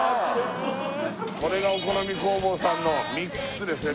これがおこのみ工房さんのミックスですよ